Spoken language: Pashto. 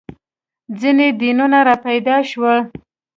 • ځینې دینونه راپیدا شول.